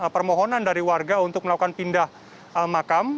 permohonan dari warga untuk melakukan pindah makam